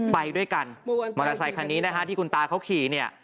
ไปด้วยกันมอเตอร์ไซคันนี้นะฮะที่คุณตาเขาขี่เนี่ย